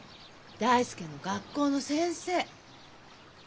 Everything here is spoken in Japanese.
大介の学校の先生。